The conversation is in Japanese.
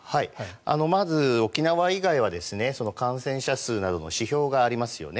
まず沖縄以外は感染者数などの指標がありますよね。